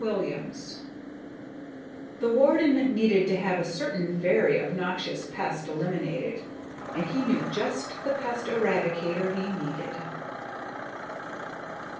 ] _The Warden needed to have a certain very obnoxious pest eliminated ... and he knew just the pest eradicator he needed....